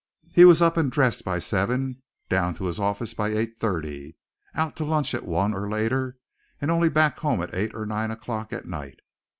He was up and dressed by seven, down to his office by eight thirty, out to lunch at one or later, and only back home at eight or nine o'clock at night.